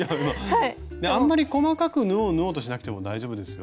あんまり細かく縫おう縫おうとしなくても大丈夫ですよ。